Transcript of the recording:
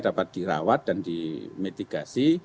dapat dirawat dan dimitigasi